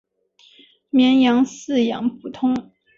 绵羊饲养普通。